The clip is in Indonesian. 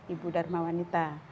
ibu dharma wanita